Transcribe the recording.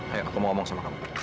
ayo aku mau berbicara dengan kamu